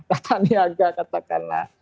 kata niaga katakanlah